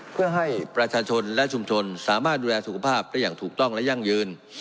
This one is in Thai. เพื่อให้ประชาชนและชุมชนสามารถดูแลสุขภาพได้อย่างถูกต้องและยั่งยืน